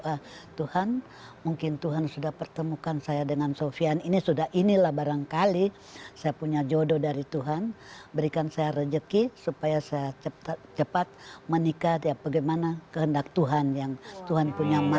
ah tuhan mungkin tuhan sudah pertemukan saya dengan sofian ini sudah inilah barangkali saya punya jodoh dari tuhan berikan saya rezeki supaya saya cepat menikah bagaimana kehendak tuhan yang tuhan punya manfaat